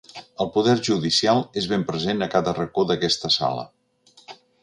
El poder judicial és ben present a cada racó d'aquesta sala.